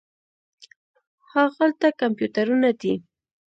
هاغلته کمپیوټرونه دي.